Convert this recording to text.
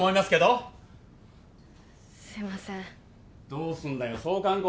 すいませんどうすんだよ創刊